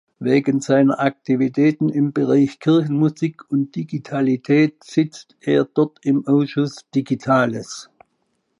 Wegen seiner Aktivitäten im Bereich „Kirchenmusik und Digitalität“ sitzt er dort im Ausschuss „Digitales“.